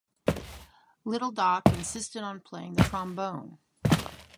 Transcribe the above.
Little Doc insisted on playing the trombone.